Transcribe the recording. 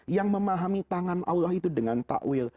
yang memahami tangan allah itu dengan takwil